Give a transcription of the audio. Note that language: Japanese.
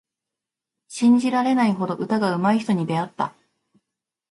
信じられないほど歌がうまい人に出会った。